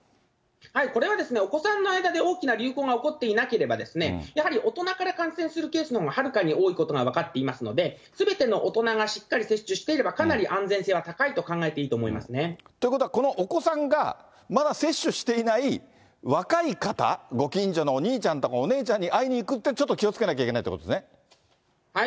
これはですね、お子さんの間で大きな流行が起こっていなければ、やはり大人から感染するケースのほうが、はるかに多いことが分かってますので、すべての大人がしっかり接種していれば、かなり安全性は高いと考ということは、このお子さんがまだ接種していない若い方、ご近所のお兄ちゃんとかお姉ちゃんに会いに行くっていうのは、ちょっと気をつけなきゃいけないということですね。